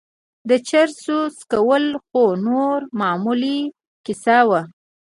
د چرسو څکول خو نوره معمولي کيسه وه.